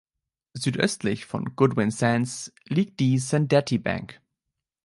Südöstlich von Goodwin Sands liegt die Sandettie Bank.